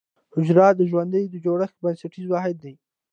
حجره د ژوند د جوړښت بنسټیز واحد دی